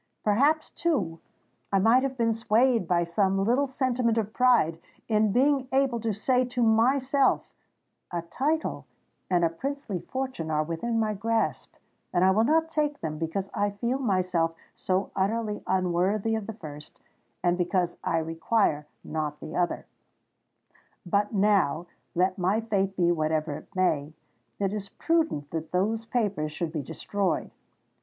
Perhaps, too, I might have been swayed by some little sentiment of pride in being able to say to myself, '_A title and a princely fortune are within my grasp; and I will not take them, because I feel myself so utterly unworthy of the first, and because I require not the other_.'—But now, let my fate be whatever it may, it is prudent that those papers should be destroyed.